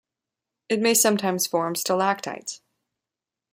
It may sometimes form stalactites.